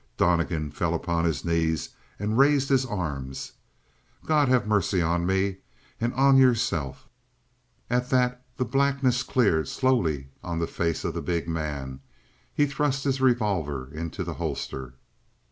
Donnegan fell upon his knees and raised his arms. "God have mercy on me, and on yourself!" At that the blackness cleared slowly on the face of the big man; he thrust his revolver into the holster.